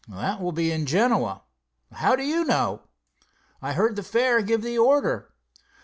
"That will be at Genoa." "How do you know?" "I heard the fare give the order."